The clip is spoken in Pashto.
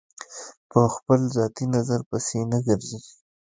په خپل ذاتي نظر پسې نه ګرځي.